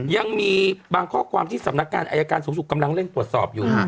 ยังมีบางข้อความที่สำนักงานอายการสูงสุดกำลังเร่งตรวจสอบอยู่